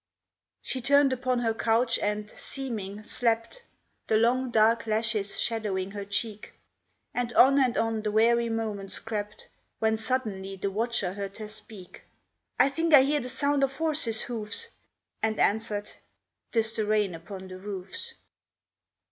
She turned upon her couch and, seeming, slept, The long, dark lashes shadowing her cheek; And on and on the weary moments crept, When suddenly the watcher heard her speak: "I think I hear the sound of horses' hoofs " And answered, "'Tis the rain upon the roofs."